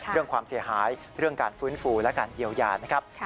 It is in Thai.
เรื่องความเสียหายเรื่องการฟื้นฟูและการเยียวยานะครับ